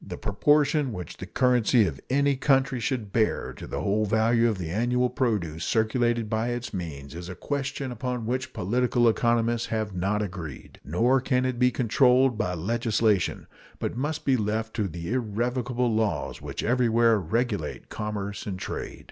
The proportion which the currency of any country should bear to the whole value of the annual produce circulated by its means is a question upon which political economists have not agreed. Nor can it be controlled by legislation, but must be left to the irrevocable laws which everywhere regulate commerce and trade.